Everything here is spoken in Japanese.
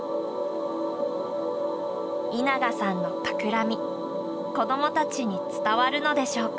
稲賀さんのたくらみ子どもたちに伝わるのでしょうか？